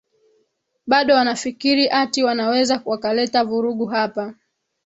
bado wanafikiri ati wanaweza wakaleta vurugu hapa